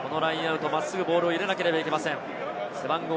このラインアウト、真っすぐボールを入れなければなりません。